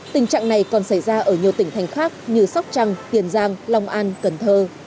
tình trạng này còn xảy ra ở nhiều tỉnh thành khác như sóc trăng tiền giang long an cần thơ